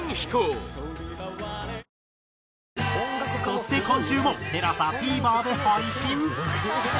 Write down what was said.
そして今週もＴＥＬＡＳＡＴＶｅｒで配信。